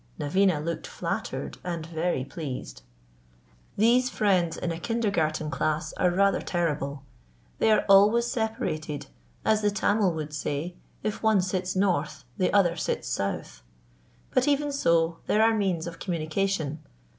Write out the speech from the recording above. Naveena looked flattered and very pleased. These friends in a kindergarten class are rather terrible. They are always separated as the Tamil would say, if one sits north the other sits south but even so there are means of communication.